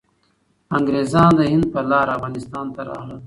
انګریزان د هند په لاره افغانستان ته راغلل.